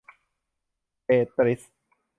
เตตริส !